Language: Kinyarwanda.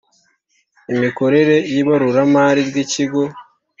Imikorere y ‘ibaruramari ry ‘ikigo .